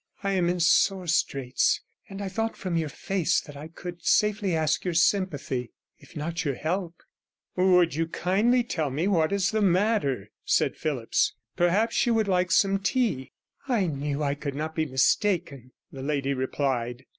I am in sore straits, and I thought from your face that I could safely ask your sympathy, if not your help.' 'Would you kindly tell me what is the matter?' said Phillipps. 'Perhaps you would like some tea?' 'I knew I could not be mistaken,' the lady replied.